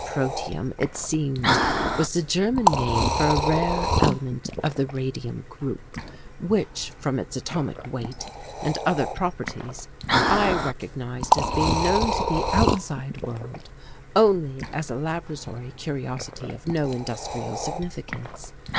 Protium, it seemed, was the German name for a rare element of the radium group, which, from its atomic weight and other properties, I recognized as being known to the outside world only as a laboratory curiosity of no industrial significance.